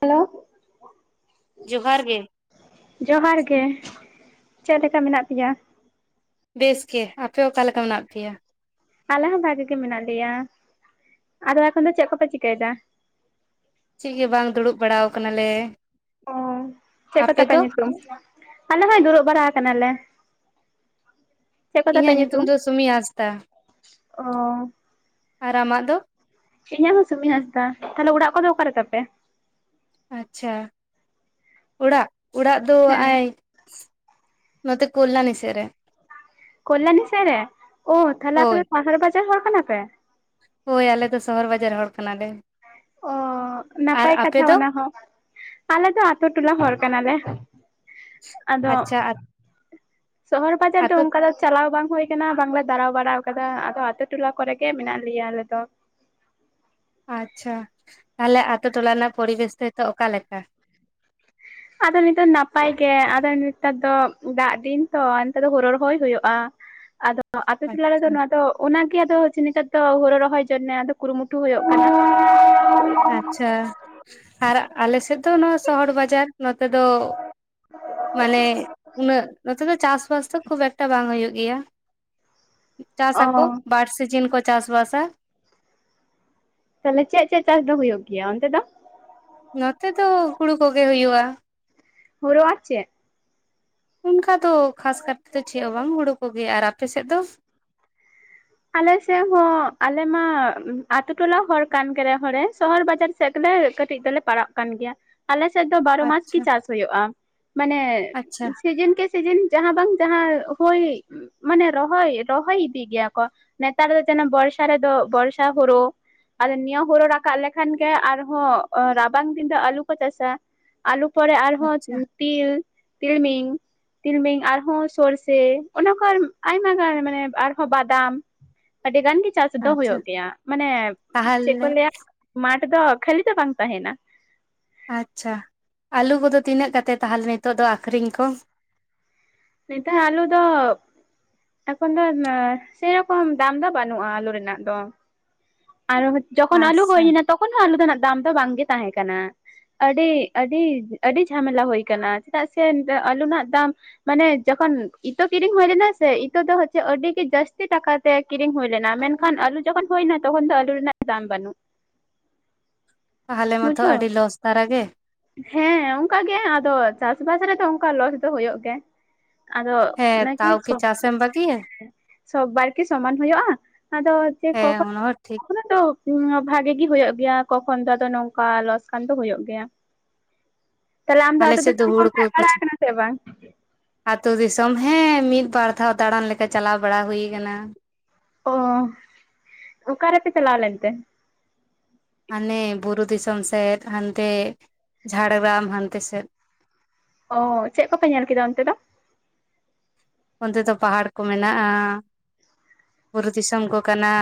Hello ᱡᱚᱦᱟᱨ ᱜᱮ ᱡᱚᱦᱟᱨ ᱜᱮ ᱪᱮᱫ ᱞᱮᱠᱟ ᱢᱮᱱᱟᱜ ᱯᱮᱭᱟ? ᱵᱮᱥᱜᱮ ᱾ᱟᱯᱮ ᱚᱠᱟᱞᱮᱠᱟ ᱢᱮᱱᱟᱜ ᱯᱮᱭᱟ? ᱟᱞᱮ ᱦᱚᱸ ᱵᱷᱟᱜᱮ ᱜᱮ ᱢᱮᱱᱟᱜ ᱞᱮᱭᱟ ᱟᱫᱚ ᱮᱠᱷᱚᱱ ᱫᱚ ᱪᱮᱫ ᱠᱚᱯᱮ ᱪᱤᱠᱟᱹᱭᱫᱟ? ᱪᱮᱫ ᱜᱮ ᱵᱟᱝ ᱫᱩᱲᱩᱵ ᱵᱟᱲᱟᱣ ᱠᱟᱱᱟᱞᱮ᱾ ᱚ ᱪᱮᱫ ᱠᱚ ᱟᱯᱮ ᱛᱯᱮ ᱫᱚ ᱧᱩᱛᱩᱢ ᱟᱞᱮ ᱦᱚᱸᱭ ᱫᱩᱲᱩᱵ ᱵᱟᱲᱟ ᱱᱟᱞᱮ ᱤᱧᱟᱹᱜ ᱧᱩᱛᱩᱢ ᱫᱚ ᱥᱩᱢᱤ ᱦᱟᱸᱥᱫᱟ ᱚ ᱟᱨ ᱟᱢᱟᱜ ᱫᱚ? ᱤᱧᱟᱹᱜ ᱦᱚᱸ ᱥᱩᱢᱤ ᱦᱟᱸᱥᱫᱟ ᱛᱟᱦᱚᱞᱮ ᱚᱲᱟᱜ ᱠᱚᱫᱚ ᱚᱠᱟ ᱨᱮ ᱛᱟᱯᱮ ᱟᱪᱪᱷᱟ ᱚᱲᱟᱜ ᱚᱲᱟᱜ ᱫᱚ ᱱᱚᱜ ᱦᱮᱸ ᱟᱭ ᱱᱚᱛᱮ ᱠᱳᱞᱞᱟᱱᱤ ᱥᱮᱫ ᱨᱮ᱾ ᱠᱚᱞᱞᱟᱱᱤ ᱥᱮᱫ ᱨᱮ ᱚ ᱛᱟᱦᱚᱞᱮ ᱟᱯᱮ ᱦᱳᱭ ᱫᱚ ᱥᱟᱦᱟᱨ ᱵᱟᱡᱟᱨ ᱦᱚᱲ ᱠᱟᱱᱟ ᱯᱮ᱾ ᱦᱳᱭ ᱟᱞᱮ ᱫᱚ ᱥᱚᱦᱚᱨ ᱵᱟᱡᱟᱨ ᱦᱚᱲ ᱠᱟᱱᱟᱞᱮ᱾ ᱚ ᱟᱨ ᱱᱟᱯᱟᱭ ᱟᱯᱮ ᱠᱟᱛᱷᱟ ᱫᱚ ᱚᱱᱟ ᱦᱚᱸ ᱟᱞᱮ ᱫᱚ ᱟᱛᱳ ᱴᱚᱞᱟ ᱦᱚᱲ ᱠᱟᱱᱟᱞᱮ ᱟᱫᱚ ᱟᱪᱪᱷᱟ ᱟ ᱥᱚᱦᱚᱨ ᱵᱟᱡᱟᱨ ᱫᱚ ᱚᱱᱠᱟ ᱫᱚ ᱪᱟᱞᱟᱣ ᱵᱟᱝ ᱦᱩᱭ ᱠᱟᱱᱟ ᱵᱟᱝᱞᱮ ᱫᱟᱬᱟ ᱵᱟᱲᱟᱣ ᱠᱟᱫᱟ ᱟᱫᱚ ᱟᱹᱛᱩ ᱴᱚᱞᱟ ᱠᱚᱨᱮ ᱜᱮ ᱢᱮᱱᱟᱜ ᱞᱮᱭᱟ ᱟᱞᱮ ᱫᱚ ᱟᱪᱪᱷᱟ ᱛᱟᱦᱞᱮ ᱟᱹᱛᱩ ᱴᱚᱞᱟ ᱨᱮᱱᱟᱜ ᱯᱚᱨᱤᱵᱮᱥ ᱫᱚ ᱱᱤᱛᱚᱜ ᱚᱠᱟ ᱞᱮᱠᱟ ᱟᱫᱚ ᱱᱤᱛᱚᱜ ᱱᱟᱯᱟᱭ ᱜᱮ ᱟᱫᱚ ᱱᱮᱛᱟᱨ ᱫᱚ ᱫᱟᱜ ᱫᱤᱱ ᱛᱚ ᱱᱮᱛᱟᱨ ᱫᱚ ᱦᱳᱲᱩ ᱨᱚᱦᱚᱭ ᱦᱩᱭᱩᱜᱼᱟ᱾ ᱟᱫᱚ ᱟᱹᱛᱩ ᱴᱚᱞᱟ ᱨᱮᱫᱚ ᱟᱪᱪᱷᱟ ᱱᱚᱣᱟ ᱫᱚ ᱚᱱᱟ ᱟᱫᱚ ᱱᱮᱛᱟᱨ ᱫᱚ ᱦᱳᱲᱩ ᱨᱚᱦᱚᱭ ᱡᱚᱱᱱᱮ ᱠᱩᱨᱩᱢᱩᱴᱩ ᱦᱩᱭᱩᱜ ᱠᱟᱱᱟ᱾ ᱟᱪᱪᱷᱟ ᱟᱨ ᱟᱞᱮᱥᱮᱫ ᱛᱚ ᱱᱚᱣᱟ ᱥᱚᱦᱚᱨ ᱵᱟᱡᱟᱨ ᱱᱚᱛᱮ ᱫᱚ ᱢᱟᱱᱮ ᱩᱱᱟᱹᱜ ᱱᱚᱛᱮ ᱫᱚ ᱪᱟᱥ [unintelligible] ᱠᱷᱩᱵ ᱮᱠᱴᱟ ᱵᱟᱝ ᱦᱩᱭᱩᱜ ᱜᱮᱭᱟ ᱪᱟᱥ ᱚ ᱟᱠᱚ ᱵᱟᱨ ᱥᱤᱡᱤᱱ ᱠᱚ ᱪᱟᱥ ᱵᱟᱥᱼᱟ ᱛᱟᱦᱞᱮ ᱪᱮᱫ ᱪᱮᱫ ᱪᱟᱥ ᱫᱚ ᱦᱩᱭᱩᱜ ᱜᱮᱭᱟ ᱚᱱᱛᱮ ᱫᱚ ᱱᱚᱛᱮ ᱫᱚ ᱦᱩᱲᱩ ᱠᱚᱜᱮ ᱦᱩᱭᱩᱜᱼᱟ᱾ ᱦᱩᱲᱩ ᱟᱨ ᱪᱮ? ᱚᱱᱠᱟ ᱫᱚ ᱠᱷᱟᱥ ᱠᱟᱨᱛᱮ ᱪᱮᱫ ᱦᱚᱸ ᱵᱟᱝ ᱦᱩᱲᱩ ᱠᱚᱜᱮ ᱟᱨ ᱟᱯᱮ ᱥᱮᱫ ᱫᱚ? ᱟᱞᱮᱥᱮᱫ ᱦᱚᱸ ᱟᱞᱮᱢᱟ ᱟᱹᱛᱩ ᱴᱚᱞᱟ ᱦᱚᱲ ᱠᱟᱱ ᱜᱮ ᱨᱮᱦᱚᱸᱞᱮ ᱥᱚᱦᱚᱨ ᱵᱟᱡᱟᱨ ᱠᱟᱹᱴᱤᱡ ᱫᱚᱞᱮ ᱯᱟᱲᱟᱜ ᱠᱟᱱ ᱜᱮᱭᱟ ᱟᱞᱮ ᱟᱞᱮ ᱥᱮᱫ ᱫᱚ ᱵᱟᱨᱚ ᱢᱟᱥ ᱜᱮ ᱟᱪᱪᱷᱟ ᱪᱟᱥ ᱦᱩᱭᱩᱜᱼ ᱢᱟᱱᱮ ᱟᱪᱪᱷᱟ ᱥᱤᱡᱤᱱ ᱠᱤ ᱥᱮᱮᱱ ᱡᱟᱦᱟᱸ ᱵᱟᱝ ᱡᱟᱦᱟᱸ ᱦᱳᱭ ᱢᱟᱱᱮ ᱨᱚᱦᱚᱭ ᱨᱚᱦᱚᱭ ᱤᱫᱤ ᱜᱮᱭᱟ ᱱᱮᱛᱟᱨ ᱫᱚ ᱡᱮᱱᱚ ᱵᱚᱨᱥᱟ ᱨᱮᱫᱚ ᱵᱚᱨᱥᱟ ᱦᱩᱲᱩ ᱟᱫᱚ ᱱᱤᱭᱟᱹ ᱦᱩᱲᱩ ᱨᱟᱠᱟᱵ ᱞᱮᱠᱷᱟᱱᱜᱮ ᱟᱨᱦᱚᱸ ᱨᱟᱵᱟᱝ ᱫᱤᱱ ᱫᱚ ᱟᱞᱩ ᱠᱚ ᱪᱟᱥᱟ ᱟᱞᱩ ᱯᱚᱨᱮ ᱟᱨᱦᱚᱸ ᱟᱪᱪᱷᱟ ᱛᱤᱞ ᱛᱤᱞᱢᱤᱧ ᱛᱤᱞᱢᱤᱧ ᱟᱨᱦᱚᱸ ᱥᱚᱨᱥᱮ ᱚᱱᱟ ᱠᱚ ᱟᱭᱢᱟ ᱜᱟᱱ ᱜᱮ ᱢᱟᱱᱮ ᱟᱨᱦᱚᱸ ᱵᱟᱫ ᱫᱟᱢ ᱟᱹᱰᱤ ᱜᱟᱱ ᱜᱮ ᱪᱟᱥ ᱫᱚ ᱟᱪᱪᱷᱟ ᱦᱩᱭᱩᱜ ᱜᱮᱭᱟ ᱢᱟᱱᱮ ᱪᱮᱫ ᱠᱚ ᱛᱟᱦᱚᱞᱮ ᱞᱟᱹᱭᱟ ᱢᱟᱴᱷ ᱫᱚ ᱠᱷᱟᱹᱞᱤ ᱫᱚ ᱵᱟᱝ ᱛᱟᱦᱮᱱᱟ ᱟᱪᱪᱷᱟ ᱟᱹᱞᱩ ᱠᱚᱫᱚ ᱛᱤᱱᱟᱹᱜ ᱠᱟᱛᱮᱫ ᱛᱟᱦᱚᱞᱮ ᱱᱤᱛᱚᱜ ᱫᱚ ᱟᱠᱷᱨᱤᱧ ᱠᱚ? ᱱᱤᱛᱟᱨ ᱟᱞᱩ ᱫᱚ ᱮᱠᱷᱚᱱ ᱫᱚ ᱥᱮᱨᱚᱠᱚᱢ ᱫᱟᱢ ᱫᱚ ᱵᱟᱹᱱᱩᱜᱼᱟ ᱟᱹᱞᱩ ᱨᱮᱱᱟᱜ ᱫᱚ᱾ ᱟᱨ ᱡᱚᱠᱷᱚᱱ ᱟᱞᱩ ᱟᱪᱪᱷᱟ ᱦᱩᱭᱱᱟ ᱛᱚᱠᱷᱚᱱ ᱦᱚᱸ ᱟᱞᱩ ᱫᱚ ᱱᱟᱜ ᱫᱟᱢ ᱫᱚ ᱵᱟᱝᱜᱮ ᱛᱟᱦᱮᱸ ᱠᱟᱱᱟ᱾ ᱟᱹᱰᱤ ᱟᱹᱰᱤ ᱟᱹᱰᱤ ᱡᱷᱟᱢᱮᱞᱟ ᱦᱩᱭ ᱟᱠᱟᱱᱟ ᱪᱮᱫᱟᱜ ᱥᱮ ᱟᱞᱩ ᱨᱮᱱᱟᱜ ᱫᱟᱢ ᱢᱟᱱᱮ ᱡᱚᱠᱷᱚᱱ ᱤᱛᱟᱹ ᱠᱤᱨᱤᱧ ᱦᱩᱭ ᱞᱮᱱᱟ ᱥᱮ ᱤᱛᱟᱹ ᱫᱚ ᱟᱹᱰᱤ ᱜᱮ ᱡᱟᱹᱥᱛᱤ ᱴᱟᱠᱟ ᱛᱮ ᱠᱤᱨᱤᱧ ᱦᱩᱭ ᱞᱮᱱᱟ᱾ ᱢᱮᱱᱠᱷᱟᱱ ᱟᱞᱩ ᱡᱚᱠᱷᱚᱱ ᱦᱩᱭᱱᱟ ᱛᱚᱠᱷᱚᱱ ᱫᱚ ᱟᱞᱩ ᱨᱮᱱᱟᱜ ᱫᱟᱢ ᱵᱟᱹᱱᱩᱜ᱾ ᱛᱟᱦᱚᱞᱮ ᱢᱟᱛᱚ ᱵᱩᱡᱷᱟᱹᱣ ᱟᱹᱰᱤ ᱞᱚᱥ ᱫᱷᱟᱨᱟ ᱜᱮ ᱦᱮᱸ ᱚᱱᱠᱟ ᱜᱮ ᱟᱫᱚ ᱪᱟᱥᱵᱟᱥ ᱨᱮᱫᱚ ᱚᱱᱠᱟ ᱞᱚᱥ ᱫᱚ ᱦᱳᱭᱳᱜ ᱜᱮᱭᱟ ᱟᱫᱚ ᱦᱮᱸ ᱚᱱᱟ ᱠᱮ ᱛᱟᱣ ᱠᱤ ᱪᱚ ᱪᱟᱥᱮᱢ ᱵᱟᱹᱜᱤᱭᱟ [inaudible] ᱥᱚᱵ ᱵᱟᱨᱠᱤ ᱥᱚᱢᱟᱱ ᱦᱩᱭᱩᱜᱼᱟ ᱟᱫᱚ ᱦᱮᱸ ᱚᱱᱟ ᱦᱚᱸ ᱴᱷᱤᱠ ᱠᱷᱚᱱᱟᱜ ᱫᱚ ᱦᱮ ᱵᱷᱟᱜᱮ ᱜᱮ ᱦᱩᱭᱩᱜᱳ ᱜᱮᱭᱟ ᱠᱚᱠᱷᱚᱱ ᱫᱚ ᱟᱫᱚ ᱱᱚᱝᱠᱟ ᱞᱚᱥ ᱠᱟᱱ ᱫᱚ ᱦᱩᱭᱩᱜ ᱜᱮᱭᱟ᱾ ᱛᱟᱦᱞᱮ ᱟᱢ ᱫᱚ ᱟᱞᱮ ᱟᱛᱩ ᱥᱮᱫ ᱫᱤᱥᱚᱢ ᱠᱚ ᱦᱩᱲᱩ ᱦᱮᱡ ᱵᱟᱲᱟ ᱟᱠᱟᱱᱟ ᱥᱮ ᱵᱟᱝ? ᱟᱹᱛᱩ ᱫᱤᱥᱚᱢ ᱦᱮᱸ ᱢᱤᱫ ᱵᱟᱨ ᱫᱷᱟᱣ ᱫᱟᱬᱟᱱ ᱞᱮᱠᱟ ᱪᱟᱞᱟᱣ ᱵᱟᱲᱟ ᱦᱩᱭ ᱟᱠᱟᱱᱟ᱾ ᱚ ᱚᱠᱟᱨᱮ ᱯᱮ ᱪᱟᱞᱟᱣ ᱞᱮᱱ ᱛᱮ? ᱦᱟᱱᱮ ᱵᱩᱨᱩ ᱫᱤᱥᱚᱢ ᱥᱮᱫ ᱦᱟᱱᱛᱮ ᱡᱷᱟᱲᱜᱨᱟᱢ ᱦᱟᱱᱛᱮ ᱥᱮᱫ ᱚᱻ ᱪᱮᱫ ᱠᱚᱯᱮ ᱧᱮᱞ ᱠᱮᱫᱟ ᱚᱱᱛᱮ ᱫᱚ ᱚᱱᱛᱮ ᱫᱚ ᱯᱟᱦᱟᱲ ᱠᱚ ᱢᱮᱱᱟᱜᱼᱟ ᱵᱩᱨᱩ ᱫᱤᱥᱚᱢ ᱠᱚ ᱠᱟᱱᱟ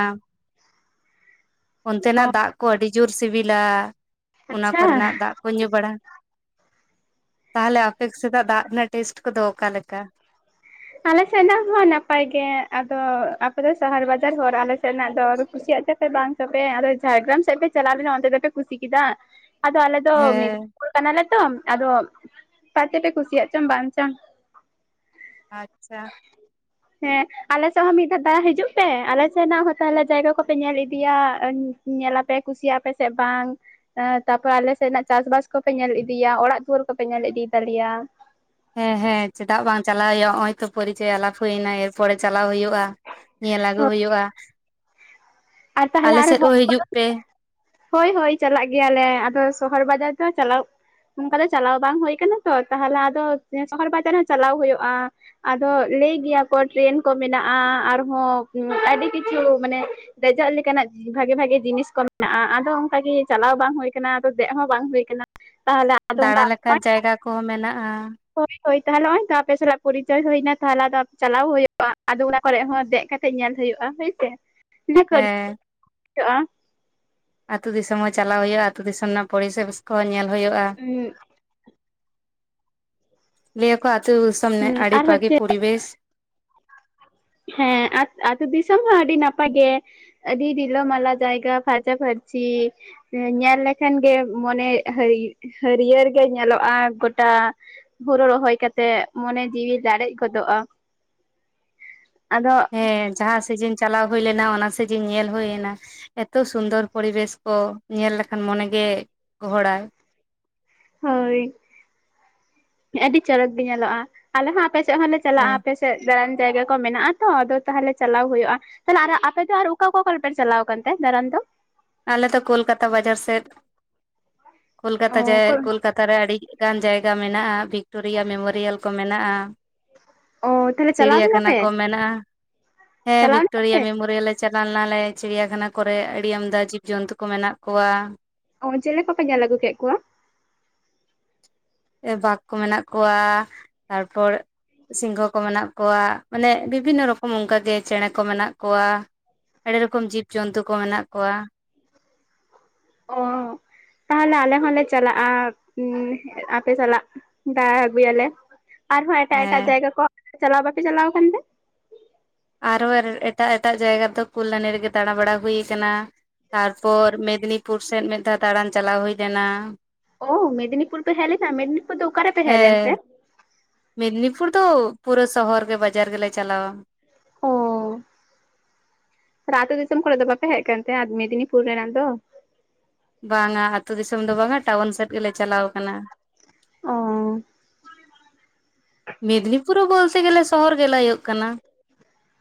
[unintelligible] ᱚᱱᱛᱮᱱᱟᱜ ᱫᱟᱜ ᱠᱚ ᱟᱹᱰᱤ ᱡᱳᱨ ᱥᱤᱵᱤᱞᱟ ᱚᱱᱟ ᱟᱪᱪᱷᱟ ᱠᱚᱨᱮᱱᱟᱜ ᱫᱟᱜ ᱠᱚ ᱧᱩ ᱵᱟᱲᱟ ᱛᱟᱦᱚᱞᱮ ᱟᱯᱮ ᱥᱮᱫᱟᱜ ᱫᱟᱜ ᱨᱮᱱᱟᱜ ᱴᱮᱥᱴ ᱠᱚᱫᱚ ᱚᱠᱟ ᱮᱠᱟ ᱟᱞᱮ ᱥᱮᱱᱟᱜ ᱦᱚᱸ ᱱᱟᱯᱟᱭ ᱜᱮ ᱟᱫᱚ ᱟᱯᱮ ᱫᱚ ᱥᱟᱦᱟᱨ ᱵᱟᱡᱟᱨ ᱦᱚᱲ ᱟᱞᱮ ᱥᱮ ᱱᱟᱜ ᱫᱚ ᱠᱩ ᱪᱮᱫ ᱛᱟᱯᱮ ᱵᱟᱝ ᱛᱟᱯᱮ ᱟᱫᱚ ᱡᱷᱟᱲᱜᱨᱟᱢ ᱥᱮᱫ ᱯᱮ ᱪᱟᱞᱟᱣ ᱞᱮᱱᱟ ᱚᱱᱛᱮ ᱫᱚᱯᱮ ᱠᱩᱥᱤ ᱠᱮᱫᱟ ᱟᱫᱚ ᱟᱞᱮ ᱫᱚ ᱦᱮᱸ ᱢᱤᱫᱽᱱᱤᱯᱩᱨ ᱠᱟᱱᱟᱞᱮ ᱛᱚ ᱟᱫᱚ ᱯᱟᱥᱮᱯᱮ ᱠᱩᱥᱤᱭᱟᱜ ᱪᱚᱝ ᱵᱟᱝ ᱢᱤᱫᱤᱛ [inaudible] ᱟᱪᱪᱷᱟ ᱦᱮᱸ ᱟᱞᱮ ᱥᱮᱫ ᱦᱚᱸ ᱢᱤᱫ ᱫᱷᱟᱣ ᱫᱟᱲᱟ ᱦᱤᱡᱩᱜ ᱯᱮ ᱟᱞᱮ ᱥᱮᱫᱱᱟᱜ ᱦᱚᱸ ᱛᱟᱦᱚᱞᱮ ᱡᱟᱭᱜᱟ ᱠᱚᱯᱮ ᱧᱮᱞ ᱤᱫᱤᱭᱟ ᱧᱮᱞᱟᱯᱮ ᱠᱩᱥᱤᱭᱟᱜ ᱟᱯᱮᱥᱮ ᱵᱟᱝ ᱛᱟᱯᱚᱨᱮ ᱟᱞᱮᱥᱮᱱᱟᱜ ᱪᱟᱥ ᱵᱟᱥ ᱠᱚᱯᱮ ᱧᱮᱞ ᱤᱫᱤᱭᱟ ᱚᱲᱟᱜ ᱫᱩᱣᱟᱹᱨ ᱠᱚᱯᱮ ᱧᱮᱞ ᱤᱫᱤ ᱛᱟᱞᱮᱭᱟ ᱦᱮᱸ ᱦᱮᱸ ᱪᱮᱫᱟᱜ ᱵᱟᱝ ᱪᱟᱞᱟᱜ ᱦᱩᱭᱩᱜᱼᱟ ᱱᱚᱜ ᱚᱭ ᱛᱚ ᱯᱚᱨᱤᱪᱚᱭ ᱟᱞᱟᱯ ᱦᱩᱭ ᱮᱱᱟ ᱮᱨᱯᱚᱨᱮ ᱪᱟᱞᱟᱣ ᱦᱩᱭᱩᱜᱼᱟ ᱧᱮᱞ ᱟᱹᱜᱩ ᱦᱩᱭᱩᱜᱼᱟ ᱟᱨ ᱛᱟᱦᱚᱞᱮ ᱟᱞᱮ ᱟᱨ ᱥᱮᱫ ᱦᱚᱲ ᱦᱚᱸ ᱦᱤᱡᱩᱜ ᱯᱮ ᱦᱳᱭ ᱦᱳᱭ ᱪᱟᱞᱟᱜ ᱜᱮᱭᱟᱞᱮ ᱟᱫᱚ ᱥᱚᱦᱚᱨ ᱵᱟᱡᱟᱨ ᱫᱚ ᱪᱟᱞᱟᱣ ᱚᱱᱠᱟ ᱫᱚ ᱪᱟᱞᱟᱣ ᱵᱟᱝ ᱦᱩᱭ ᱠᱟᱱᱟ ᱛᱚ ᱛᱟᱦᱞᱮ ᱟᱫᱚ ᱥᱚᱦᱚᱨ ᱵᱟᱡᱟᱨ ᱦᱚᱸ ᱪᱟᱞᱟᱣ ᱦᱩᱭᱩᱜᱼᱟ ᱟᱫᱚ ᱞᱟᱹᱭ ᱜᱮᱭᱟ ᱠᱚ ᱴᱨᱮᱱ ᱠᱚ ᱢᱮᱱᱟᱜᱼᱟ ᱟᱨᱦᱚᱸ ᱟᱹᱰᱤ ᱠᱤᱪᱷᱩ ᱢᱟᱱᱮ ᱫᱮᱡᱚᱜ ᱞᱮᱠᱟᱱᱟᱜ ᱵᱷᱟᱜᱮ ᱵᱷᱟᱜᱮ ᱡᱤᱱᱤᱥ ᱠᱚ ᱢᱮᱱᱟᱜᱼᱟ ᱟᱫᱚ ᱚᱱᱠᱟᱜᱮ ᱪᱟᱞᱟᱣ ᱵᱟᱝ ᱦᱳᱭ ᱠᱟᱱᱟ ᱟᱫᱚ ᱫᱮᱡ ᱦᱚᱸ ᱵᱟᱝ ᱦᱳᱭ ᱠᱟᱱᱟ ᱛᱟᱦᱚᱞᱮ ᱟᱫᱚ ᱫᱟᱬᱟ ᱚᱱᱠᱟ ᱞᱮᱠᱟᱱ ᱦᱳᱭ ᱡᱟᱭᱜᱟ ᱠᱚᱦᱚᱸ ᱢᱮᱱᱟᱜᱼᱟ [unintelligible] ᱦᱳᱭ ᱛᱟᱦᱚᱞᱮ ᱱᱚᱜ-ᱚᱭ ᱛᱚ ᱟᱯᱮ ᱥᱟᱞᱟᱜ ᱯᱚᱨᱤᱪᱚᱭ ᱦᱳᱭᱱᱟ ᱛᱟᱦᱚᱞᱮ ᱟᱫᱚ ᱪᱟᱞᱟᱣ ᱦᱩᱭᱳᱜᱼᱟ ᱟᱫᱚ ᱚᱱᱟ ᱠᱚᱨᱮ ᱦᱚᱸ ᱫᱮᱡ ᱠᱟᱛᱮ ᱧᱮᱞ ᱦᱳ ᱦᱳᱭᱳᱜᱼᱟ ᱦᱳᱭᱥᱮ ᱤᱱᱟᱹ ᱠᱷᱟᱹᱞ ᱦᱮᱸ [unintelligible] ᱦᱳᱭᱳᱜ-ᱟ ᱟᱹᱛᱩ ᱫᱤᱥᱚᱢ ᱦᱚᱸ ᱪᱟᱞᱟᱣ ᱦᱳᱭᱳᱜᱼᱟ ᱟᱹᱛᱩ ᱫᱤᱥᱚᱢ ᱨᱮᱱᱟᱜ ᱯᱚᱨᱤᱵᱮᱥ ᱠᱚᱦᱚᱸ ᱧᱮᱞ ᱦᱳᱭᱳᱜᱼᱟ ᱞᱟ. ᱭᱟ ᱠᱚ ᱟᱹᱛᱩ ᱫᱤᱥᱚᱢ ᱨᱮᱱᱟᱜ ᱦᱩᱸ ᱟᱹᱰᱤ ᱟᱨ ᱦᱚᱪᱪᱷᱮ ᱵᱷᱟᱜᱤ ᱯᱚᱨᱤᱵᱮᱥ ᱦᱮᱸ ᱟᱛ ᱟᱛᱩ ᱫᱤᱥᱚᱢ ᱦᱚᱸ ᱟᱹᱰᱤ ᱱᱟᱯᱟᱭ ᱜᱮ ᱟᱹᱰᱤ ᱨᱤᱞᱟᱹᱢᱟᱞᱟ ᱡᱟᱭᱜᱟ ᱯᱷᱟᱸᱨᱪᱟ ᱯᱷᱟᱸᱨ ᱪᱷᱤ ᱧᱮᱞ ᱞᱮᱠᱷᱟᱱ ᱜᱮ ᱢᱚᱱᱮ ᱦᱟᱹᱨᱤ ᱦᱟᱹᱨᱤᱭᱟᱹᱲ ᱜᱮ ᱧᱮᱞᱚᱜᱼᱟ ᱴᱟᱜ ᱦᱳᱲᱳ ᱨᱚᱦᱚᱭ ᱠᱟᱛᱮᱜ ᱢᱚᱱᱮ ᱡᱤᱣᱤ ᱞᱟᱲᱮᱡ ᱜᱚᱫᱚᱜᱼᱟ ᱟᱫᱚ ᱦᱮᱸ ᱡᱟᱦᱟᱸ ᱥᱮᱡᱤᱱ ᱪᱟᱞᱟᱣ ᱦᱩᱭ ᱞᱮᱱᱟ ᱚᱱᱟ ᱥᱮᱡᱤᱱ ᱧᱮᱞ ᱦᱳᱭᱱᱟ ᱮᱛᱚ ᱥᱩᱱᱫᱚᱨ ᱯᱚᱨᱤᱵᱮᱥ ᱠᱚ ᱧᱮᱞ ᱞᱮᱠᱷᱟᱱ ᱢᱚᱱ ᱢᱚᱱᱮ ᱜᱮ ᱜᱚᱦᱚᱲᱟᱭ ᱦᱳᱭ ᱟᱹᱰᱤ ᱪᱚᱨᱚᱠ ᱜᱮ ᱧᱮᱞᱚᱜᱼᱟ ᱟᱞᱮ ᱦᱚᱸ ᱟᱯᱮ ᱥᱮᱫ ᱦᱚᱸᱞᱮ ᱪᱟᱞᱟᱜᱼᱟ ᱦᱮᱸ ᱟᱯᱮ ᱥᱮᱫ ᱫᱟᱲᱟᱱ ᱡᱟᱭᱜᱟ ᱠᱚ ᱢᱮᱱᱟᱜᱼᱟ ᱛᱚ ᱟᱫᱚ ᱛᱟᱦᱚᱞᱮ ᱪᱟᱞᱟᱣ ᱦᱳᱭᱳᱜᱼᱟ ᱛᱟᱦᱚᱞᱮ ᱟᱨ ᱦᱚᱸ ᱟᱯᱮ ᱫᱚ ᱟᱨ ᱚᱠᱟ ᱚᱠᱟ ᱠᱚᱨᱮ ᱯᱮ ᱪᱟᱞᱟᱣ ᱠᱟᱱᱛᱮ ᱫᱟᱬᱟᱱ ᱫᱚ ᱟᱞᱮ ᱫᱚ ᱠᱳᱞᱠᱟᱛᱟ ᱵᱟᱡᱟᱨ ᱥᱮᱫ ᱚ ᱠᱳᱞᱠᱟᱛᱟ ᱡᱟᱭ ᱠᱳᱞᱠᱟᱛᱟᱨᱮ ᱟᱹᱰᱤ ᱜᱟᱱ ᱡᱟᱭᱜᱟ ᱢᱮᱱᱟᱜᱼᱟ ᱵᱷᱤᱠᱴᱳᱨᱤᱭᱟ ᱢᱮᱢᱳᱨᱤᱭᱟᱞ ᱠᱚ ᱢᱮᱱᱟᱜᱼᱟ ᱚ ᱛᱟᱦᱚᱞᱮ ᱪᱟᱞᱟᱣ ᱞᱮᱱᱟ ᱪᱤᱲᱤᱭᱟᱠᱷᱟᱱᱟ ᱯᱮ ᱠᱚ ᱢᱮᱱᱟᱜᱼᱟ ᱦᱮᱸ ᱪᱟᱞᱟᱣ ᱞᱮᱱᱟ ᱵᱷᱤᱠᱴᱳᱨᱤᱭᱟ ᱯᱮ ᱢᱮᱢᱳᱨᱤᱭᱟᱞᱮ ᱪᱟᱞᱟᱣ ᱞᱮᱱᱟᱞᱮ ᱪᱤᱲᱤᱭᱟᱠᱷᱟᱱᱟ ᱠᱚᱨᱮ ᱟᱹᱰᱤ ᱟᱢᱫᱟ ᱡᱤᱵᱽ ᱡᱚᱱᱛᱩ ᱠᱚ ᱢᱮᱱᱟᱜ ᱠᱚᱣᱟ ᱚ ᱪᱮᱞᱮ ᱠᱚᱯᱮ ᱧᱮᱞ ᱟᱹᱜᱩ ᱠᱮᱫ ᱠᱚᱣᱟ ᱵᱟᱜᱽ ᱠᱚ ᱢᱮᱱᱟᱜ ᱠᱚᱣᱟ ᱛᱟᱨᱯᱚᱨ ᱥᱤᱝᱜᱷᱚ ᱠᱚ ᱢᱮᱱᱟᱜ ᱠᱚᱣᱟ ᱢᱟᱱᱮ ᱵᱤᱵᱷᱤᱱᱱᱚ ᱨᱚᱠᱚᱢ ᱚᱱᱠᱟᱜᱮ ᱪᱮᱸᱬᱮ ᱠᱚ ᱢᱮᱱᱟᱜ ᱠᱚᱣᱟ ᱟᱹᱰᱤ ᱨᱚᱠᱚᱢ ᱡᱤᱵᱽᱡᱚᱱᱛᱩ ᱠᱚ ᱢᱮᱱᱟᱜ ᱠᱚᱣᱟ ᱚ ᱛᱟᱦᱚᱞᱮ ᱟᱞᱮ ᱦᱚᱞᱮ ᱪᱟᱞᱟᱜᱼᱟ ᱟᱯᱮ ᱥᱟᱞᱟᱜ ᱫᱟᱬᱟ ᱟᱹᱜᱩᱭᱟᱞᱮ ᱟᱨᱦᱚᱸ ᱮᱴᱟᱜ ᱮᱴᱟᱜ ᱦᱮᱸ ᱡᱟᱭᱜᱟ ᱠᱚ ᱪᱟᱞᱟᱣ ᱵᱟᱯᱮ ᱪᱟᱞᱟᱣ ᱠᱟᱱᱛᱮ ᱟᱨᱚ ᱮᱴᱟᱜ ᱮᱴᱟᱜ ᱡᱟᱭᱜᱟ ᱛᱚ ᱠᱚᱞᱞᱟᱱᱤ ᱨᱮᱜᱮ ᱫᱟᱬᱟᱵᱟᱲᱟ ᱦᱳᱭ ᱠᱟᱱᱟ ᱛᱟᱨᱯᱚᱨ ᱢᱮᱫᱽᱱᱤᱯᱩᱨ ᱥᱮᱫ ᱢᱤᱫ ᱫᱷᱟᱣ ᱫᱟᱬᱟᱱ ᱪᱟᱞᱟᱣ ᱦᱳᱭ ᱞᱮᱱᱟ ᱚ ᱢᱮᱫᱽᱱᱤᱯᱩᱨ ᱯᱮ ᱦᱮᱸᱜᱞᱮᱱᱟ ᱢᱮᱫᱽᱱᱤᱯᱩᱨ ᱫᱚ ᱚᱠᱟᱨᱮ ᱯᱮ ᱦᱮᱸᱜᱞᱮᱱ ᱛᱮ ᱦᱮᱸ ᱢᱮᱫᱽᱱᱤᱯᱩᱨ ᱫᱚ ᱯᱩᱨᱟᱹ ᱥᱚᱦᱚᱨ ᱜᱮ ᱵᱟᱡᱟᱨ ᱜᱮᱞᱮ ᱪᱟᱞᱟᱣᱟ ᱚ ᱟᱛᱳ ᱫᱤᱥᱚᱢ ᱠᱚᱨᱮ ᱫᱚ ᱵᱟᱯᱮ ᱦᱮᱜ‌ ᱠᱟᱱᱛᱮ ᱢᱮᱫᱽᱱᱤᱯᱩᱨ ᱨᱮᱱᱟᱜ ᱫᱚ ᱵᱟᱝᱟ ᱟᱹᱛᱩ ᱫᱤᱥᱚᱢ ᱫᱚ ᱵᱟᱝᱟ ᱴᱟᱣᱩᱱ ᱥᱮᱫ ᱜᱮᱞᱮ ᱪᱟᱞᱟᱣ ᱠᱟᱱᱟ᱾ ᱚ ᱢᱮᱫᱽᱱᱤᱯᱩᱨ ᱵᱚᱞᱛᱮ ᱜᱮᱞᱮ ᱥᱚᱦᱚᱨ ᱜᱮ ᱞᱟᱹᱭᱳᱜ ᱠᱟᱱᱟ᱾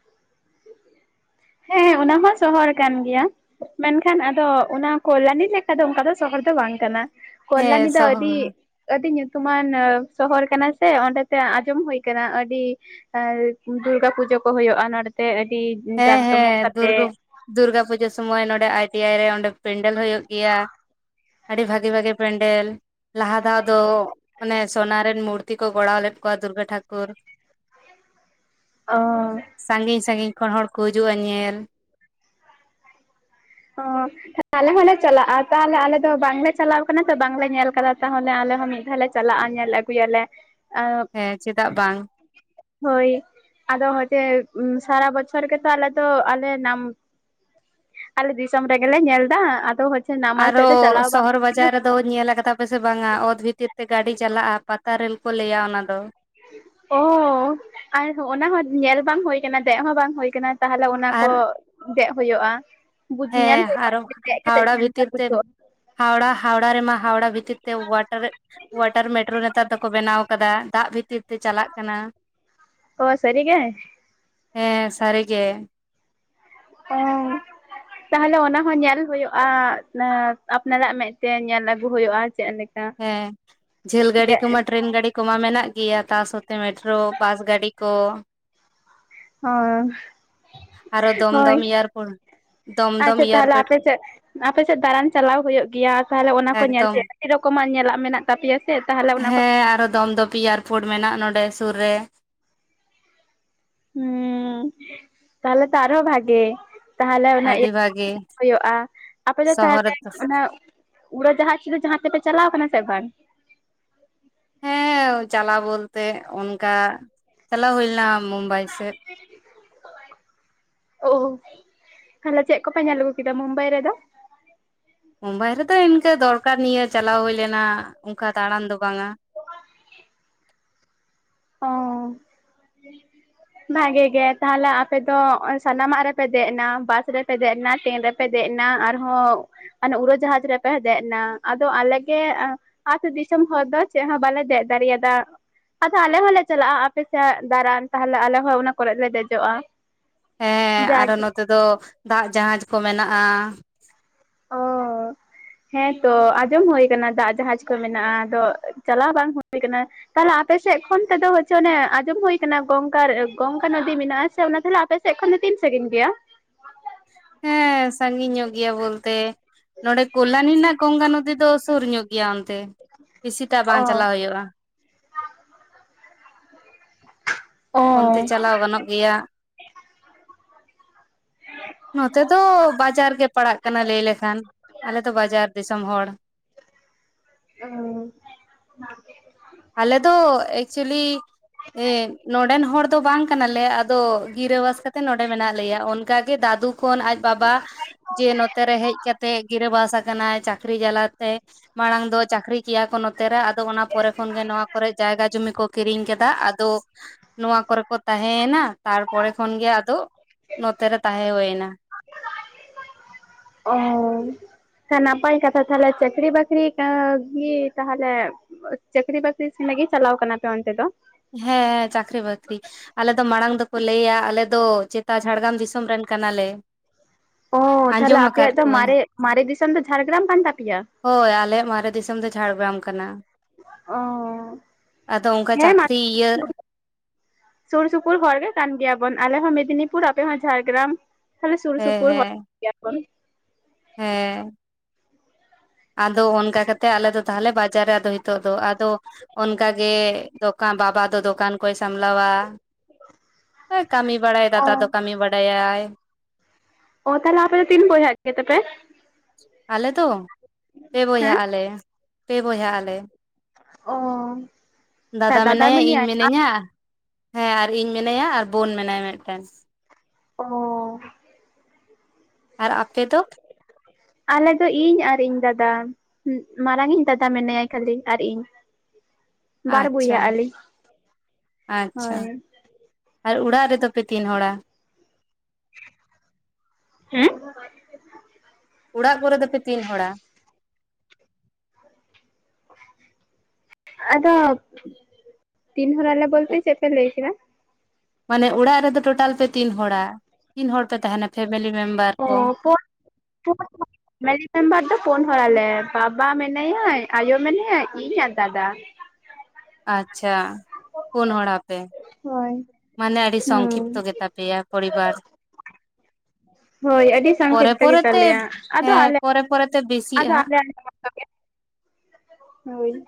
[inaudible] ᱦᱮᱸ ᱚᱱᱟ ᱦᱚᱸ ᱥᱚᱦᱚᱨ ᱠᱟᱱ ᱜᱮᱭᱟ ᱢᱮᱱᱠᱷᱟᱱ ᱟᱫᱚ ᱚᱱᱟ ᱠᱚᱞᱞᱟᱱᱤ ᱞᱮᱠᱟᱫᱚ ᱚᱱᱠᱟ ᱫᱚ ᱥᱚᱦᱚᱨ ᱫᱚ ᱵᱟᱝ ᱠᱟᱱᱟ ᱠᱚᱞᱞᱟᱱᱤ ᱦᱮᱸ ᱫᱚ ᱟᱹᱰᱤ ᱥᱚᱦᱚᱨ ᱟᱹᱰᱤ ᱧᱩᱛᱩᱢᱟᱱ ᱥᱚᱦᱚᱨ ᱠᱟᱱᱟ ᱥᱮ ᱚᱸᱰᱮᱛᱮ ᱟᱸᱡᱚᱢ ᱦᱳᱭ ᱠᱟᱱᱟ ᱟᱹᱰᱤ ᱫᱩᱨᱜᱟ ᱯᱩᱡᱟ ᱠᱚ ᱦᱳᱭᱳᱜᱼᱟ ᱱᱚᱸᱰᱮᱛᱮ ᱟᱹᱰᱤ ᱦᱮᱸ ᱡᱟᱠ ᱡᱚᱢᱚᱠ ᱦᱮᱸ ᱫᱩᱨᱜᱟᱹ ᱠᱟᱛᱮᱜ ᱫᱩᱨᱜᱟ ᱯᱩᱡᱟ ᱥᱚᱢᱚᱭ ᱱᱚᱸᱰᱮ ᱟᱭ ᱴᱤ ᱟᱭ ᱨᱮ ᱚᱸᱰᱮ ᱯᱮᱱᱰᱮᱞ ᱦᱳᱭᱳᱜ ᱜᱮᱭᱟ ᱟᱹᱰᱤ ᱵᱷᱟᱜᱮ ᱵᱷᱟᱜᱮ ᱯᱮᱱᱰᱮᱞ ᱞᱟᱦᱟ ᱫᱷᱟᱣ ᱫᱚ ᱚᱱᱮ ᱥᱚᱱᱟ ᱨᱮᱱ ᱢᱩᱨᱛᱤ ᱠᱚ ᱜᱚᱲᱟᱣ ᱞᱮᱫ ᱠᱚᱣᱟ ᱫᱩᱨᱜᱟ ᱴᱷᱟᱠᱩᱨ ᱚᱸ ᱥᱟᱺᱜᱤᱧ ᱥᱟᱺᱜᱤᱧ ᱠᱷᱚᱱ ᱦᱚᱲ ᱠᱚ ᱦᱤᱡᱩᱜᱼᱟ ᱧᱮᱞ ᱚ ᱟᱞᱮ ᱦᱚᱸᱞᱮ ᱪᱟᱞᱟᱜᱼᱟ ᱛᱟᱦᱚᱞᱮ ᱟᱞᱮ ᱫᱚ ᱵᱟᱝᱞᱮ ᱪᱟᱞᱟᱣ ᱠᱟᱱᱟ ᱛᱚ ᱵᱟᱝᱞᱮ ᱧᱮᱞ ᱠᱟᱫᱟ ᱛᱟᱦᱚᱞᱮ ᱟᱞᱮ ᱟᱞᱮ ᱦᱚᱸ ᱢᱤᱫ ᱫᱷᱟᱣ ᱞᱮ ᱪᱟᱞᱟᱜᱼᱟ ᱧᱮᱞ ᱟᱜᱩᱭᱟᱞᱮ ᱦᱮᱸ ᱪᱮᱫᱟᱜ ᱵᱟᱝ ᱦᱳᱭ ᱟᱫᱚ ᱦᱳᱭᱛᱚ ᱥᱟᱨᱟ ᱵᱚᱪᱷᱚᱨ ᱜᱮᱛᱚ ᱟᱞᱮ ᱛᱚ ᱟᱞᱮ ᱱᱟᱢ ᱟᱞᱮ ᱫᱤᱥᱚᱢ ᱨᱮᱜᱮᱞᱮ ᱧᱮᱞᱫᱟ ᱟᱫᱚ ᱱᱟᱢᱟᱞ ᱥᱮᱫ ᱟᱨᱚ ᱫᱚ ᱪᱟᱞᱟᱣ ᱵᱟᱝ ᱥᱚᱦᱚᱨ ᱦᱩᱭ ᱠᱟᱱᱟ᱾ ᱵᱟᱡᱟᱨ ᱨᱮᱫᱚ ᱧᱮᱞ ᱟᱠᱟᱫᱟ ᱯᱮᱥᱮ ᱵᱟᱝᱟ ᱚᱛ ᱵᱷᱤᱛᱤᱨ ᱛᱮ ᱜᱟᱹᱰᱤ ᱪᱟᱞᱟᱜᱼᱟ ᱯᱟᱛᱟᱨᱮ ᱠᱚ ᱞᱟᱹᱭᱟ ᱚᱱᱟ ᱫᱚ ᱚ ᱟᱨ ᱚᱱᱟ ᱦᱚᱸ ᱧᱮᱞ ᱵᱟᱝ ᱦᱩᱭ ᱠᱟᱱᱟ ᱫᱮᱡ ᱦᱚᱸ ᱵᱟᱝ ᱦᱩᱭ ᱟᱠᱟᱱᱟ ᱛᱟᱦᱚᱞᱮ ᱚᱱᱟ ᱟᱨ ᱠᱚ ᱫᱮᱡ ᱦᱩᱭᱩᱜᱼᱟ᱾ ᱵᱩᱡ ᱧᱮᱞ ᱦᱮᱸ ᱦᱩᱭᱩᱜᱼᱟ ᱟᱨᱚ ᱫᱮᱡ ᱠᱟᱛᱮᱜ ᱦᱟᱣᱲᱟ ᱪᱮᱫ ᱞᱮᱠᱟ ᱵᱷᱤᱛᱤᱨ ᱛᱮ ᱵᱩᱡᱷᱟᱹᱜᱼᱟ ᱦᱟᱣᱲᱟ ᱦᱟᱣᱲᱟ ᱨᱮᱢᱟ ᱦᱟᱣᱲᱟ ᱵᱷᱤᱛᱤᱨ ᱛᱮ ᱚᱣᱟᱴᱟᱨ ᱚᱣᱟᱴᱟᱨ ᱢᱮᱴᱨᱳ ᱱᱮᱛᱟᱨ ᱫᱚᱠᱚ ᱵᱮᱱᱟᱣ ᱟᱠᱟᱫᱟ ᱫᱟᱜ ᱵᱷᱤᱛᱤᱨ [unintelligible] ᱛᱮ ᱪᱟᱞᱟᱜ ᱠᱟᱱᱟ᱾ ᱚ ᱥᱟᱹᱨᱤ ᱜᱮ ᱦᱮᱸ ᱥᱟᱹᱨᱤᱜᱮ ᱚ ᱛᱟᱦᱞᱮ ᱚᱱᱟ ᱦᱚᱸ ᱧᱮᱞ ᱦᱩᱭᱩᱜᱼᱟ ᱟᱯᱱᱟᱨᱟᱜ ᱢᱮᱫᱛᱮ ᱧᱮᱞ ᱟᱹᱜᱩ ᱦᱩᱭᱩᱜᱼᱟ᱾ ᱪᱮᱫ ᱞᱮᱠᱟ ᱦᱮᱸ ᱡᱷᱟᱹᱞ ᱜᱟᱹᱰᱤ ᱫᱮᱡ ᱠᱚᱢᱟ ᱴᱨᱮᱱ ᱜᱟᱹᱰᱤ ᱠᱚᱢᱟ ᱢᱮᱱᱟᱜ ᱜᱮᱭᱟ ᱥᱟᱛᱮ ᱢᱮᱴᱨᱳ ᱵᱟᱥ ᱜᱟᱹᱰᱤ ᱠᱚ ᱟᱨ ᱟᱨᱚ ᱫᱚᱢᱫᱚᱢ ᱤᱭᱟᱨ ᱯᱚᱞ ᱟᱪᱪᱷᱟ ᱛᱟᱦᱚᱞᱮ ᱟᱯᱮᱥᱮᱫ ᱟᱯᱮᱥᱮᱫ ᱫᱟᱬᱟᱱ ᱪᱟᱞᱟᱣ ᱦᱩᱭᱩᱜ ᱜᱮᱭᱟ ᱛᱟᱦᱚᱞᱮ ᱚᱱᱟ ᱠᱚ ᱮᱠᱫᱚᱢ ᱧᱮᱞᱛᱮ ᱟᱹᱰᱤ ᱨᱚᱠᱚᱢᱟᱜ ᱧᱮᱞ ᱪᱟᱞᱟᱜ ᱢᱮᱱᱟᱜ ᱛᱟᱯᱮᱭᱟ ᱥᱮ ᱛᱟᱦᱚᱞᱮ ᱚᱱᱟ ᱠᱚ ᱦᱮᱸ ᱟᱨᱚ ᱫᱚᱢᱫᱚᱯ ᱮᱭᱟᱨᱯᱳᱨᱴ ᱢᱮᱱᱟᱜᱼᱟ ᱱᱚᱸᱰᱮ ᱥᱩᱨ ᱨᱮ ᱦᱩᱸ ᱛᱟᱦᱞᱮ ᱛᱟᱨ ᱦᱚᱸ ᱵᱷᱟᱜᱮ ᱛᱟᱦᱚᱞᱮ ᱚᱱᱟ ᱤᱭᱟᱹ ᱟᱹᱰᱤ ᱵᱷᱟᱜᱮ ᱦᱩᱭᱩᱜᱼᱟ ᱟᱯᱮ ᱫᱚ ᱥᱚᱦᱚᱨ ᱛᱟᱦᱚᱞᱮ ᱨᱮᱛᱚ ᱚᱱᱟ ᱩᱲᱟᱹ ᱡᱟᱦᱟᱡᱽ ᱡᱟᱦᱟᱸ ᱛᱮᱯᱮ ᱪᱟᱞᱟᱣ ᱠᱟᱱᱟ ᱥᱮ ᱵᱟᱝ? ᱦᱮᱸ ᱪᱟᱞᱟᱣ ᱵᱚᱞᱛᱮ ᱚᱱᱠᱟ ᱪᱟᱞᱟᱣ ᱦᱩᱭ ᱞᱮᱱᱟ ᱢᱩᱢᱵᱟᱭ ᱥᱮᱫ᱾ [inaudible] ᱚ ᱛᱟᱦᱚᱞᱮ ᱪᱮᱫ ᱠᱚᱯᱮ ᱧᱮᱞ ᱟᱹᱜᱩ ᱠᱮᱫᱟ ᱢᱩᱢᱵᱟᱭ ᱨᱮᱫᱚ? ᱢᱳᱢᱵᱟᱭ ᱨᱮᱫᱚ ᱛᱮ ᱫᱚᱨᱠᱟᱨ ᱱᱤᱭᱟᱹ ᱪᱟᱞᱟᱣ ᱦᱩᱭ ᱞᱮᱱᱟ ᱚᱱᱠᱟ ᱫᱟᱬᱟᱱ ᱫᱚ ᱵᱟᱝᱼᱟ᱾ ᱚ ᱵᱷᱟᱜᱤ ᱜᱮ ᱛᱟᱦᱞᱮ ᱟᱯᱮ ᱫᱚ ᱥᱟᱱᱟᱢᱟᱜ ᱨᱮᱯᱮ ᱫᱮᱡ ᱮᱱᱟ ᱵᱟᱥ ᱨᱮᱯᱮ ᱫᱮᱡ ᱮᱱᱟ ᱴᱨᱮᱹᱱ ᱨᱮᱯᱮ ᱫᱮᱡ ᱦᱮᱡᱽᱱᱟ ᱟᱨᱦᱚᱸ ᱩᱨᱟᱹ ᱡᱟᱦᱟᱡᱽ ᱨᱮᱯᱮ ᱫᱮᱡ ᱮᱱᱟ ᱟᱫᱚ ᱟᱞᱮᱜᱮ ᱟᱹᱛᱩ ᱫᱤᱥᱚᱢ ᱦᱚᱲ ᱫᱚ ᱪᱮᱫ ᱦᱚᱸ ᱵᱟᱞᱮ ᱫᱮᱡ ᱫᱟᱲᱮᱭᱟᱫᱟ ᱟᱞᱮ ᱦᱚᱸᱞᱮ ᱪᱟᱞᱟᱜᱼᱟ ᱟᱯᱮ ᱥᱮᱭᱟᱜ ᱫᱟᱨᱟᱱ ᱛᱟᱦᱚᱞᱮ ᱟᱞᱮ ᱦᱚᱸ ᱚᱱᱟ ᱠᱚᱨᱮ ᱞᱮ ᱫᱮᱡᱚᱜᱼᱟ᱾ ᱦᱮᱸ ᱟᱨᱚ ᱡᱟᱜᱮ ᱱᱚᱛᱮ ᱫᱚ ᱫᱟᱜ ᱡᱟᱦᱟᱡ ᱠᱚ ᱢᱮᱱᱟᱜᱼᱟ ᱚ ᱦᱮᱸᱛᱚ ᱟᱸᱡᱚᱢ ᱦᱩᱭᱟ ᱠᱟᱱᱟ ᱫᱟᱜ ᱡᱟᱦᱟᱡ ᱠᱚ ᱢᱮᱱᱟᱜᱼᱟ ᱟᱫᱚ ᱪᱟᱞᱟᱣ ᱵᱟᱝ ᱦᱩᱭᱩ ᱠᱟᱱᱟ ᱟᱯᱮᱥᱮᱫ ᱠᱷᱚᱱ ᱛᱮᱫᱚ ᱦᱚᱪ ᱚᱱᱮ ᱟᱸᱚᱢ ᱦᱩᱭ ᱟᱠᱟᱱᱟ ᱜᱚᱝᱠ ᱜᱚᱝᱠᱟ ᱱᱚᱫᱤ ᱢᱮᱱᱟᱜᱼᱟ ᱥᱮ ᱚᱱᱟ ᱛᱟᱦᱚᱞᱮ ᱟᱯᱮ ᱥᱮᱫ ᱠᱷᱚᱱ ᱛᱤᱱ ᱥᱟᱺᱜᱤᱧ ᱜᱮᱭᱟ ᱦᱮᱸ ᱥᱟᱺᱜᱤᱧ ᱧᱚᱜ ᱜᱮᱭᱟ ᱵᱚᱞᱛᱮ ᱱᱚᱰᱮ ᱠᱚᱞᱟᱱᱤ ᱨᱮᱱᱟᱜ ᱜᱚᱝᱜᱟ ᱱᱚᱫᱤ ᱫᱚ ᱥᱩᱨ ᱧᱚᱜ ᱜᱮᱭᱟ ᱚᱱᱛᱮ ᱵᱮᱥᱤᱴᱟᱜ ᱵᱟᱝ ᱚ ᱪᱟᱞᱟᱣ ᱦᱩᱭᱩᱜᱼᱟ ᱚ ᱚᱱᱛᱮ ᱪᱟᱞᱟᱣ ᱜᱟᱱᱚᱜ ᱜᱮᱭᱟ ᱱᱚᱛᱮ ᱫᱚ ᱵᱟᱡᱟᱨ ᱜᱮ ᱯᱟᱲᱟᱜ ᱠᱟᱱᱟ ᱞᱟᱹᱭ ᱞᱮᱠᱷᱟᱱ ᱟᱞᱮ ᱫᱚ ᱵᱟᱡᱟᱨ ᱫᱤᱥᱚᱢ ᱦᱚᱲ ᱚ ᱟᱞᱮ ᱫᱚ ᱮᱠᱪᱩᱭᱮᱞᱤ ᱦᱮᱸ ᱱᱚᱰᱮᱱ ᱦᱚᱲ ᱫᱚ ᱵᱟᱝ ᱠᱟᱱᱟᱞᱮ ᱟᱫᱚ ᱜᱤᱨᱟᱹᱵᱟᱥ ᱠᱟᱛᱮᱜ ᱱᱚᱰᱮ ᱢᱮᱱᱟᱜ ᱞᱮᱭᱟ ᱚᱱᱠᱟᱜᱮ ᱫᱟᱫᱩ ᱠᱷᱚᱱ ᱟᱡ ᱵᱟᱵᱟ ᱡᱮ ᱱᱚᱛᱮᱨᱮ ᱦᱮᱡ ᱠᱟᱛᱮᱜ ᱜᱤᱨᱟᱹᱵᱟᱥ ᱟᱠᱟᱱᱟᱭ ᱪᱟᱹᱠᱨᱤ ᱡᱟᱞᱟᱛᱮ ᱢᱟᱲᱟᱝ ᱫᱚ ᱪᱟᱹᱠᱨᱤ ᱠᱮᱭᱟ ᱠᱚ ᱱᱚᱛᱮ ᱨᱮ ᱟᱫᱚ ᱚᱱᱟ ᱯᱚᱨᱮ ᱛᱚᱠᱷᱚᱱ ᱜᱮ ᱱᱚᱣᱟ ᱠᱚᱨᱮ ᱡᱟᱭᱜᱟ ᱡᱩᱚᱢᱤ ᱠᱚ ᱠᱤᱨᱤᱧ ᱠᱮᱫᱟ ᱟᱫᱚ ᱱᱚᱶᱟ ᱠᱚᱨᱮ ᱠᱚ ᱛᱟᱦᱮᱸᱱᱟ ᱛᱟᱨᱯᱚᱨ ᱯᱚᱨᱮ ᱠᱷᱚᱱᱜᱮ ᱟᱫᱚ ᱱᱚᱛᱮᱨᱮ ᱛᱟᱸᱦᱮ ᱦᱩᱭ ᱮᱱᱟ ᱚ ᱱᱟᱯᱟᱭ ᱠᱟᱛᱷᱟ ᱛᱟᱦᱚᱞᱮ ᱪᱟᱹᱠᱨᱤ ᱵᱟᱠᱨᱤ ᱮ ᱠᱤ ᱛᱟᱦᱚᱞᱮ ᱪᱟᱹᱠᱨᱤ ᱵᱟᱠᱨᱤ ᱪᱮᱫ ᱞᱟᱹᱜᱤᱫ ᱪᱟᱞᱟᱣ ᱟᱠᱟᱱᱟ ᱯᱮ ᱚᱱᱛᱮ ᱫᱚ ᱦᱮᱸ ᱪᱟᱹᱠᱨᱤ ᱵᱟᱹᱠᱨᱤ ᱟᱞᱮ ᱫᱚ ᱢᱟᱲᱟᱝ ᱫᱚᱠᱚ ᱞᱟᱹᱭᱟ ᱟᱞᱮ ᱫᱚ ᱪᱮᱛᱟ ᱡᱷᱟᱲᱜᱨᱟᱢ ᱫᱤᱥᱚᱢ ᱨᱮᱱ ᱠᱟᱱᱟᱞᱮ ᱚ ᱛᱟᱦᱚᱞᱮ ᱟᱸᱡᱚᱢ ᱟᱠᱟᱫ ᱟᱯᱮᱭᱟᱜ ᱫᱚ ᱠᱚᱣᱟᱹᱧ ᱢᱟᱨᱮ ᱢᱟᱨᱮ ᱫᱤᱥᱚᱢ ᱫᱚ ᱡᱷᱟᱲᱜᱨᱟᱢ ᱠᱟᱱ ᱛᱟᱯᱮᱭᱟ ᱦᱳᱭ ᱟᱞᱮᱭᱟᱜ ᱢᱟᱨᱮ ᱫᱤᱥᱚᱢ ᱫᱚ ᱪᱷᱟᱲᱜᱨᱟᱢ ᱠᱟᱱᱟ ᱚᱸ ᱟᱫᱚ ᱚᱱᱠᱟ ᱦᱮᱸ ᱪᱟᱹᱠᱨᱤ ᱤᱭᱟᱹ ᱥᱩᱨ ᱥᱩᱯᱩᱨ ᱦᱚᱲ ᱜᱮ ᱠᱟᱱ ᱜᱮᱭᱟ ᱵᱚᱱ ᱟᱞᱮ ᱦᱚᱸ ᱢᱮᱫᱽᱱᱤᱯᱩᱨ ᱟᱯᱮ ᱦᱚᱸ ᱡᱷᱟᱲᱜᱨᱟᱢ ᱛᱟᱦᱞᱮ ᱥᱩᱨ ᱦᱮᱸ ᱥᱩᱯᱩᱨ ᱦᱚᱲ ᱦᱮᱸ [inaudible] ᱜᱮᱭᱟᱵᱚᱱ ᱦᱮᱸ ᱟᱫᱚ ᱚᱱᱠᱟ ᱠᱟᱛᱮᱜ ᱟᱞᱮ ᱫᱚ ᱛᱟᱦᱞᱮ ᱵᱟᱡᱟᱨ ᱨᱮ ᱟᱫᱚ ᱱᱤᱛᱚᱜ ᱫᱚ ᱟᱫᱚ ᱚᱱᱠᱟᱜᱮ ᱵᱟ ᱵᱟᱵᱟ ᱫᱚ ᱫᱚᱠᱟᱱ ᱠᱚᱭ ᱥᱟᱢᱞᱟᱣᱟ ᱠᱟᱹᱢᱤ ᱵᱟᱲᱟᱭ ᱫᱟᱫᱟ ᱫᱚ ᱠᱟᱹᱢᱤ ᱵᱟᱰᱟᱭᱟᱭ ᱚ ᱛᱟᱦᱚᱞᱮ ᱟᱯᱮ ᱫᱚ ᱛᱤᱱ ᱵᱚᱭᱦᱟ ᱜᱮ ᱛᱮᱯᱮ ᱟᱞᱮ ᱫᱚ ᱯᱮ ᱵᱚᱭᱦᱟᱜ ᱟᱞᱮ ᱯᱮ ᱵᱚᱭᱦᱟᱜ ᱟᱞᱮ ᱚ ᱫᱟᱫᱟ ᱢᱮᱱᱟᱭᱟ ᱤᱧ ᱢᱤᱱᱟᱹᱧᱟ ᱦᱮᱸ ᱟᱨ ᱤᱧ ᱢᱮᱱᱟᱭᱟ ᱟᱨ ᱵᱳᱱ ᱢᱮᱱᱟᱭᱟ ᱢᱤᱫᱴᱮᱱ ᱚᱸ ᱟᱨ ᱟᱯᱮ ᱫᱚ ᱟᱞᱮ ᱫᱚ ᱤᱧ ᱟᱨ ᱤᱧ ᱫᱟᱫᱟ ᱢᱟᱨᱟᱝ ᱤᱧ ᱫᱟᱫᱟ ᱢᱮᱱᱟᱭᱟ ᱠᱷᱟᱹᱞᱤ ᱟᱨ ᱤᱧ ᱵᱟᱨ ᱟᱪᱪᱷᱟ ᱵᱚᱭᱦᱟ ᱟᱹᱞᱤᱧ ᱟᱪᱪᱷᱟ ᱦᱳᱭ ᱟᱨ ᱚᱲᱟᱜ ᱨᱮᱫᱚ ᱯᱮ ᱛᱤᱱ ᱦᱚᱲᱟ ᱦᱮᱸ ᱚᱲᱟᱜ ᱠᱚᱨᱮ ᱫᱚᱯᱮ ᱛᱤᱱ ᱦᱚᱲᱟ [inaudible] ᱛᱤᱱᱦᱚᱨ ᱟᱞᱮ ᱵᱚᱞᱛᱮ ᱪᱮᱫ ᱯᱮ ᱞᱟᱹᱭ ᱠᱮᱫᱟ ᱢᱟᱱᱮ ᱚᱲᱟᱜ ᱨᱮᱫᱚ ᱴᱳᱴᱟᱞ ᱯᱮ ᱛᱤᱱ ᱦᱚᱲᱟ ᱛᱤᱱ ᱦᱚᱲ ᱯᱮ ᱛᱟᱦᱮᱱᱟ ᱯᱷᱮᱢᱮᱞᱤ ᱢᱮᱢᱵᱟᱨ ᱚ ᱠᱚ [unintelligible] ᱯᱷᱮᱢᱮᱞᱤ ᱢᱮᱢᱵᱟᱨ ᱫᱚ ᱯᱳᱱ ᱦᱚᱲ ᱟᱞᱮ ᱵᱟᱵᱟ ᱢᱮᱱᱟᱭᱟᱭ ᱟᱭᱳ ᱢᱮᱱᱟᱭᱟᱭ ᱤᱧ ᱟᱨ ᱫᱟᱫᱟ ᱟᱪᱪᱷᱟ ᱯᱩᱱ ᱦᱚᱲ ᱟᱯᱮ ᱦᱳᱭ ᱢᱟᱱᱮ ᱟᱹᱰᱤ ᱥᱚᱝᱠᱷᱤᱯᱛᱚ ᱦᱩᱸ ᱜᱮᱛᱟ ᱯᱮᱭᱟ ᱯᱚᱨᱤᱵᱟᱨ [unintelligible] ᱦᱳᱭ ᱟᱹᱰᱤ ᱯᱚᱨᱮ ᱥᱚᱝᱠᱷᱤᱯᱛᱚ ᱯᱚᱨᱮᱛᱮ ᱜᱮᱛᱟᱞᱮᱭᱟ ᱟᱫᱚ ᱦᱮᱸ ᱟᱞᱮ ᱯᱚᱨᱮ ᱯᱚᱨᱮᱛᱮ ᱟᱫᱚ ᱵᱮᱥᱤᱜᱼᱟ [unintelligible] [unintelligible] ᱦᱳᱭ